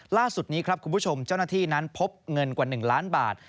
ล่าสุดนี้ครับคุณผู้ชมเจ้าหน้าที่นั้นพบเงินกว่า๑ล้านบาท